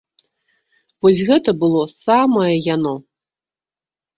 Вось гэта было самае яно!